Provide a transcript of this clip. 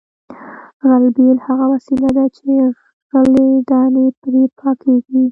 غلبېل هغه وسیله ده چې غلې دانې پرې پاکیږي